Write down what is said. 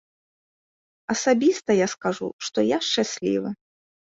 Асабіста я скажу, што я шчаслівы.